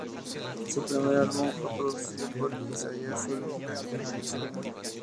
Su primer álbum fue producido por Isaías Urbina, en Venezuela.